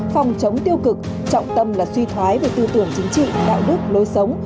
phòng chống tiêu cực trọng tâm là suy thoái về tư tưởng chính trị đạo đức lối sống